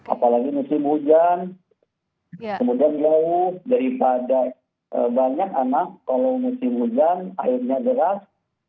apalagi musim hujan kemudian jauh daripada banyak anak kalau musim hujan airnya deras